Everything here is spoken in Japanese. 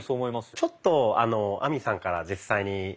ちょっと亜美さんから実際に。